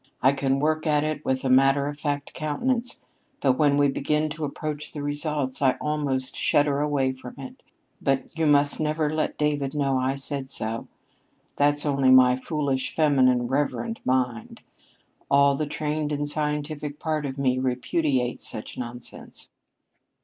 I can work at it with a matter of fact countenance, but when we begin to approach the results, I almost shudder away from it. But you must never let David know I said so. That's only my foolish, feminine, reverent mind. All the trained and scientific part of me repudiates such nonsense."